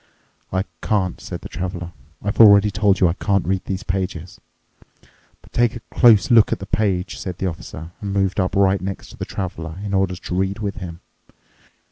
"I can't," said the Traveler. "I've already told you I can't read these pages." "But take a close look at the page," said the Officer, and moved up right next to the Traveler in order to read with him.